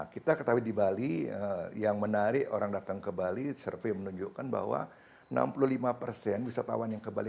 kita ketahui di bali yang menarik orang datang ke bali survei menunjukkan bahwa enam puluh lima persen wisatawan yang ke bali